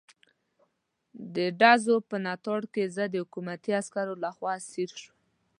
د ډزو په ناتار کې زه د حکومتي عسکرو لخوا اسیر شوم.